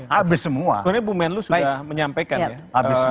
sebenarnya bumen lu sudah menyampaikan ya